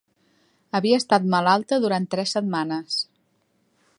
Havia estat malalta durant tres setmanes.